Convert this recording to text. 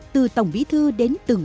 từ tổng bí thư đến từng